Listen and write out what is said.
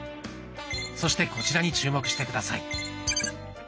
そしてこちらに注目して下さい。